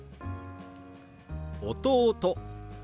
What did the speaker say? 「弟」。